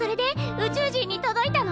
宇宙人に届いたの？